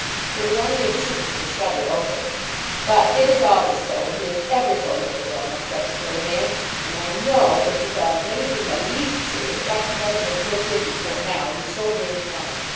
There was only a chink of the shutter open. 'But it is always so when he is ever so little ill, my precious little man; and I know if he thought it anything the least serious, Doctor Buddle would have looked in before now, he's so very kind.'